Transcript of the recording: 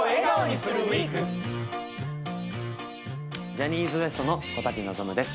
ジャニーズＷＥＳＴの小瀧望です